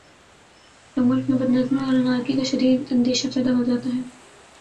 تو ملک میں بد نظمی اور انارکی کا شدید اندیشہ پیدا ہو جاتا ہے